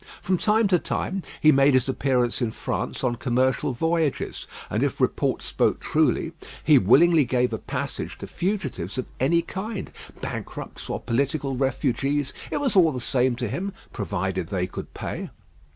From time to time he made his appearance in France on commercial voyages; and if report spoke truly, he willingly gave a passage to fugitives of any kind bankrupts or political refugees, it was all the same to him, provided they could pay.